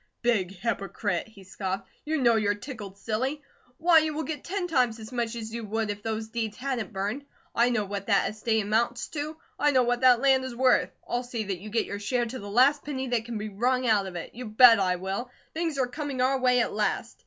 "Big hypocrite!" he scoffed. "You know you're tickled silly. Why, you will get ten times as much as you would if those deeds hadn't burned. I know what that estate amounts to. I know what that land is worth. I'll see that you get your share to the last penny that can be wrung out of it. You bet I will! Things are coming our way at last.